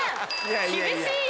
厳しいよ。